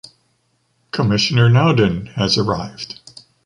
Commissioner Naudin has arrived.